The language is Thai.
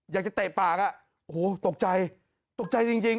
อยากจะเตะปากอะโอ้โหตกใจตกใจจริง